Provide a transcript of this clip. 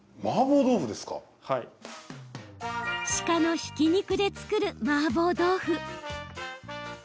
鹿のひき肉で作るマーボー豆腐。